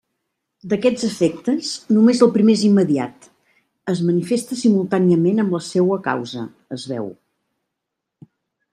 D'aquests efectes, només el primer és immediat, es manifesta simultàniament amb la seua causa, es veu.